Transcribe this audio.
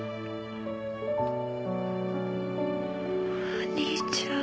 お兄ちゃん。